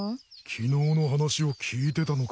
昨日の話を聞いてたのかよ？